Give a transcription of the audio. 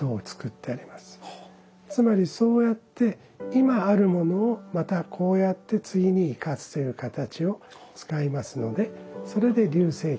つまりそうやって今あるものをまたこうやって次に生かすという形を使いますのでそれで溜精軒を使います。